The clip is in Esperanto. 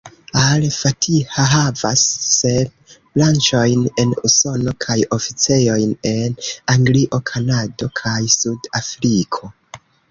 Al-Fatiha havas sep branĉojn en Usono, kaj oficejojn en Anglio, Kanado, kaj Sud-Afriko.